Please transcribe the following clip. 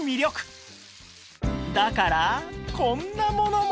だからこんなものも